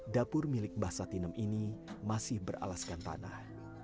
dapur milik basatinem ini masih beralaskan tanah